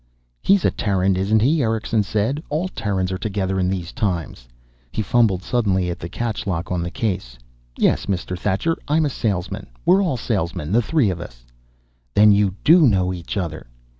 "He's a Terran, isn't he?" Erickson said. "All Terrans are together in these times." He fumbled suddenly at the catch lock on the case. "Yes, Mr. Thacher. I'm a salesman. We're all salesmen, the three of us." "Then you do know each other."